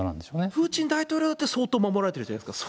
プーチン大統領って相当守られてるじゃないですか？